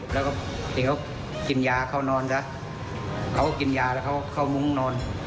แล้วก็ที่เขากินยาเข้านอนซะเขาก็กินยาแล้วเขาเข้ามุ้งนอน